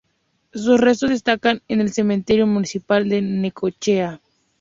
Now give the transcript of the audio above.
Sus restos descansan en el Cementerio Municipal de Necochea.